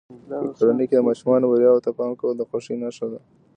په کورنۍ کې د ماشومانو بریاوو ته پام کول د خوښۍ نښه ده.